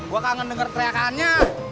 gue kangen denger teriakannya